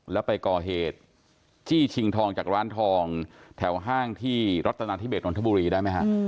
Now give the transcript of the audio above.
แล้วไปก่อเหตุจี้ชิงทองจากร้านทองแถวห้างที่รัฐนาธิเบสนนทบุรีได้ไหมฮะ